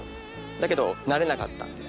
だけどなれなかったんで。